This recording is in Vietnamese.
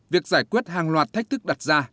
việc giải quyết hàng loạt thách thức đặt ra